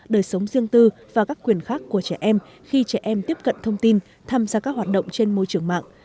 đời sống riêng tư và các quyền khác của trẻ em khi trẻ em tiếp cận thông tin tham gia các hoạt động trên môi trường mạng